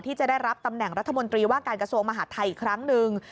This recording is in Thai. ที่จะได้รับตำแหน่งรัฐมนตรีว่าการกระทรวงมหาดไทยอีกครั้งหนึ่ง